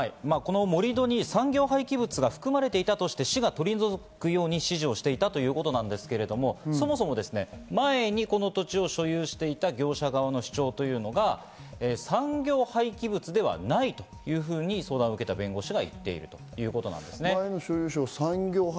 盛り土に産業廃棄物が含まれていたとして市は取り除くように指示していたということですが、そもそも前にこの土地を所有していた業者側の主張が、産業廃棄物ではないというふうに相談を受けた弁護士が言っているということなんですね。